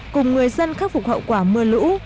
cùng người dân khắc phục hậu quả mưa lũ